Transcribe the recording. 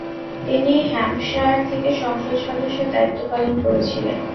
তিনি হ্যাম্পশায়ার থেকে সংসদ সদস্যের দায়িত্ব পালন করেছিলেন।